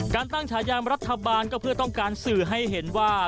การตั้งฉายามรัฐบาลก็เพื่อต้องการสื่อให้เห็นว่า